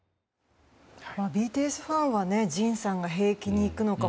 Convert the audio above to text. ＢＴＳファンはＪＩＮさんが兵役に行くのか